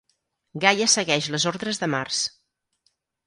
Gaia segueix les ordres de Mars.